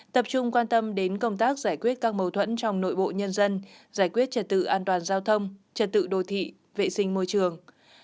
tập trung quan tâm đến công tác giải quyết các mâu thuẫn trong nội bộ nhân dân giải quyết trật tự an toàn giao thông trật tự đô thị vệ sinh môi trường